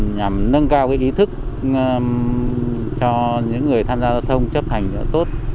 nhằm nâng cao ý thức cho những người tham gia giao thông chấp hành tốt